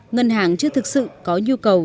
ngân hàng chưa thực sự có nhu cầu